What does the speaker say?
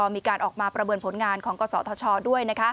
มีการออกมาประเมินผลงานของกศธชด้วย